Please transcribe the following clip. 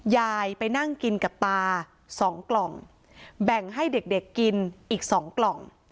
ยายไปนั่งกินกับตาสองกล่องแบ่งให้เด็กกินอีก๒กล่อง